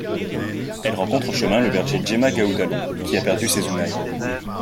Elle rencontre en chemin le berger Djema Gaouda Lon, qui a perdu ses ounayes.